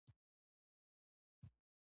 آیا خیانت کول د پښتون له شان سره نه ښايي؟